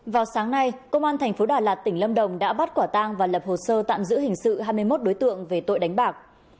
vào sáng nay công an tp đà lạt tỉnh lâm đồng đã bắt quả tang và lập hồ sơ tạm giữ hình sự hai mươi một đối tượng về tội đánh bạc